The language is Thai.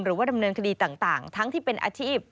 หรือว่าดำเนินคดีต่างทั้งที่เป็นอาชีพ